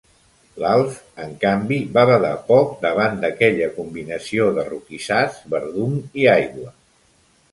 L'Alf, en canvi, va badar poc davant d'aquella combinació de roquissars, verdum i aigua.